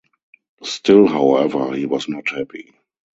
Still, however, he was not happy.